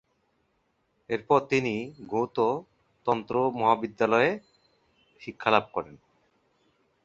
এরপর তিনি গ্যুতো তন্ত্র মহাবিদ্যালয়ে শিক্ষালাভ করেন।